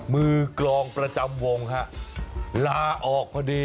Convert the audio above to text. มือกรองประจำวงครับล่าออกพอดี